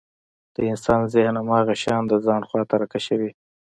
د انسان ذهن هماغه شيان د ځان خواته راکشوي.